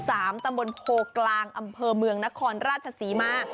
ตำบลโพกลางอำเภอเมืองนครราชศรีมา